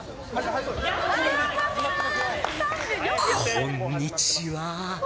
こんにちは。